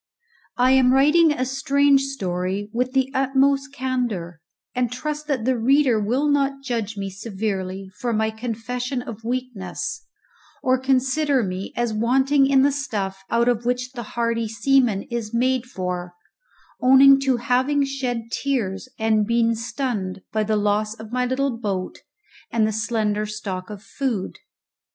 I am writing a strange story with the utmost candour, and trust that the reader will not judge me severely for my confession of weakness, or consider me as wanting in the stuff out of which the hardy seaman is made for owning to having shed tears and been stunned by the loss of my little boat and slender stock of food.